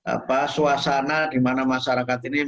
apa suasana dimana masyarakatnya